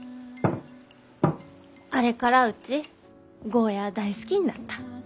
あれからうちゴーヤー大好きになった。